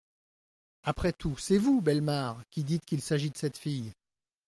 Après tout, c'est vous, Bellemare, qui dites qu'il s'agit de cette fille.